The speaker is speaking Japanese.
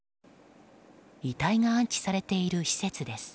遺体が安置されている施設です。